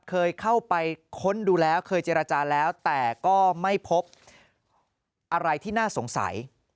เคยเข้าไปค้นดูแล้วเคยเจรจาแล้วแต่ก็ไม่พบอะไรที่น่าสงสัย